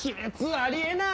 あり得ない！